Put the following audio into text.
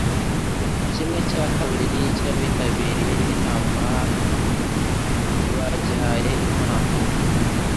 Kimwe cya kabiri cyabitabiriye inama bagihaye impano